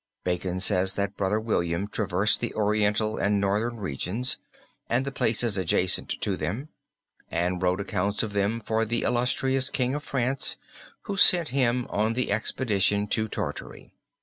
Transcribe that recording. Bacon says that Brother William traversed the Oriental and Northern regions and the places adjacent to them, and wrote accounts of them for the illustrious King of France who sent him on the expedition to Tartary.